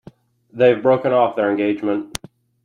They've broken off their engagement.